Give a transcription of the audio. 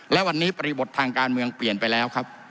และวันนี้บริบททางการเมืองเปลี่ยนไปแล้วครับ